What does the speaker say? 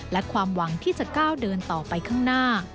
และความหวังที่จะก้าวเดินต่อไปข้างหน้า